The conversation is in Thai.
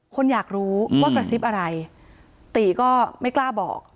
คนอยากรู้ว่ากระซิบอะไรตีก็ไม่กล้าบอก